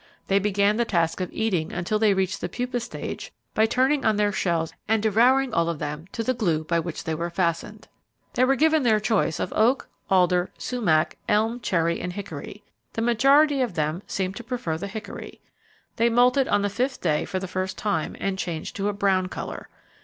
They began the task of eating until they reached the pupa state, by turning on their shells and devouring all of them to the glue by which they were fastened. They were given their choice of oak, alder, sumac, elm, cherry, and hickory. The majority of them seemed to prefer the hickory. They moulted on the fifth day for the first time, and changed to a brown colour.